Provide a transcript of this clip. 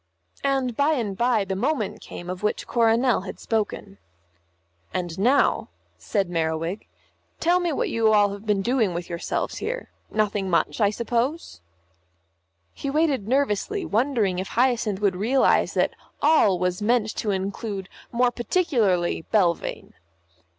And by and by the moment came of which Coronel had spoken. "And now," said Merriwig, "tell me what you have all been doing with yourselves here. Nothing much, I suppose?" He waited nervously, wondering if Hyacinth would realise that "all" was meant to include more particularly Belvane.